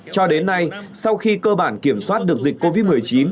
cho đến nay sau khi cơ bản kiểm soát được dịch covid một mươi chín